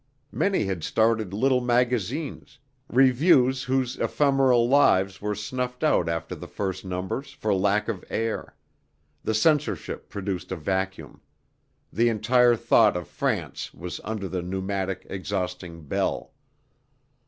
Many had started little magazines, reviews whose ephemeral lives were snuffed out after the first numbers for lack of air; the censorship produced a vacuum; the entire thought of France was under the pneumatic exhausting bell.